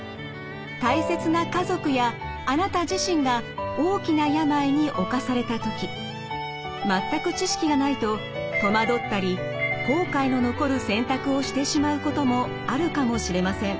大切な家族やあなた自身が全く知識がないと戸惑ったり後悔の残る選択をしてしまうこともあるかもしれません。